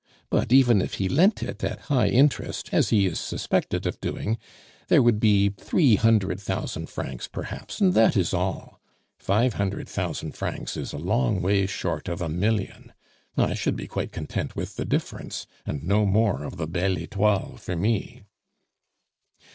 But even if he lent it at high interest, as he is suspected of doing there would be three hundred thousand francs perhaps, and that is all. Five hundred thousand francs is a long way short of a million. I should be quite content with the difference, and no more of the Belle Etoile for me!"